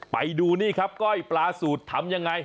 ไปดูเก้าปราสูตรทำยังไง